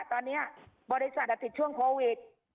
ตอนนี้บริษัทติดช่วงโควิด